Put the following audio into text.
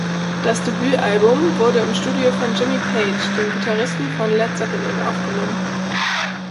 Das Debütalbum wurde im Studio von Jimmy Page, dem Gitarristen von Led Zeppelin, aufgenommen.